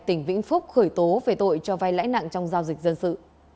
tỉnh vĩnh phúc khởi tố về tội cho vai lãi nặng trong giao dịch dân sự